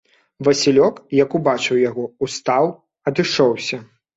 Васілёк, як убачыў яго, устаў, адышоўся.